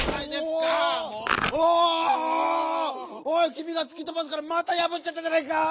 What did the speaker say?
おいきみがつきとばすからまたやぶっちゃったじゃないか！